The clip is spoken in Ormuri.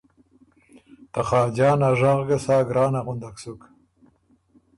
ته خاجان ا ژغ ګه سا ګرانه غُندک سُک